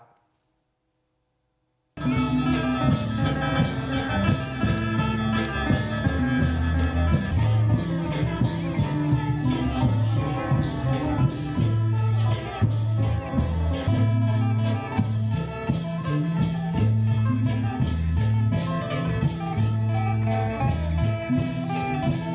ในในในใน